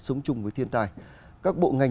sống chung với thiên tài các bộ ngành